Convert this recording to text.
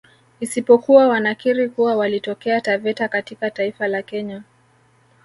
Isipokuwa wanakiri kuwa walitokea Taveta katika taifa la Kenya